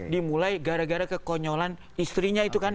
dimulai gara gara kekonyolan istrinya itu kan